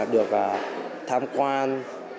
được tham quan